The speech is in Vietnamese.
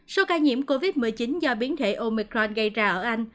số ca nhiễm covid một mươi chín do biến thể omicron gây ra ở anh